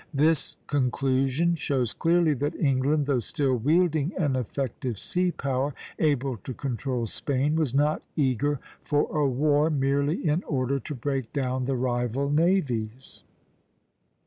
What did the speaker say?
This conclusion shows clearly that England, though still wielding an effective sea power able to control Spain, was not eager for a war merely in order to break down the rival navies.